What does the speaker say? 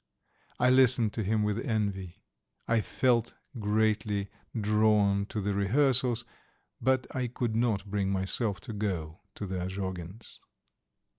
I listened to him with envy. I felt greatly drawn to the rehearsals, but I could not bring myself to go to the Azhogins'.